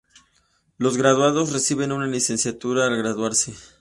Los graduados reciben una licenciatura al graduarse.